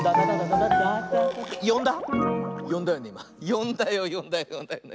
よんだよよんだよよんだよ。